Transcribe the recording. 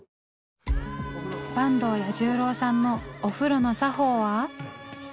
彌十郎さんのお風呂の作法は。